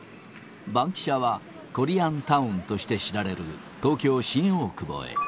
バンキシャは、コリアンタウンとして知られる東京・新大久保へ。